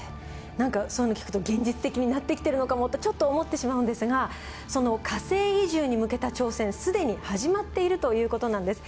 なんかそういうのを聞くと現実的になってきてるのかもってちょっと思ってしまうんですがその火星移住に向けた挑戦すでに始まっているという事なんです。